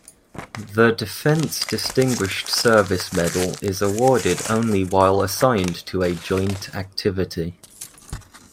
The Defense Distinguished Service Medal is awarded only while assigned to a joint activity.